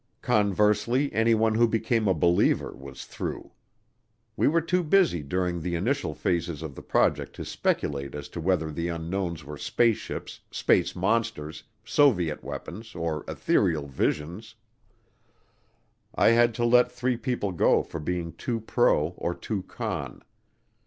Conversely anyone who became a believer was through. We were too busy during the initial phases of the project to speculate as to whether the unknowns were spaceships, space monsters, Soviet weapons, or ethereal visions. I had to let three people go for being too pro or too con.